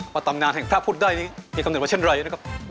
ว่าตำนานแห่งพระพุทธได้มีคำนึงว่าเช่นไรนะครับ